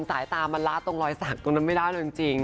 สายตามันละตรงรอยสักตรงนั้นไม่ได้เลยจริง